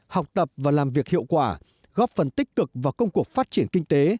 học tập và làm việc hiệu quả góp phần tích cực vào công cuộc phát triển kinh tế